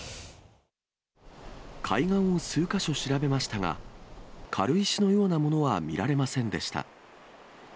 海岸を数か所調べましたが、軽石のようなものは見られませんでした。